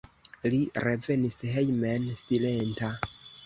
Li revenis hejmen silenta.